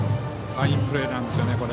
サインプレーなんですよね。